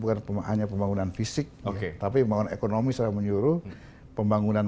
maksud buat pemahamnya pembangunan fisik oke tapi mau ekonomi secara menyeluruh pembangunan